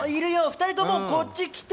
２人ともこっち来て！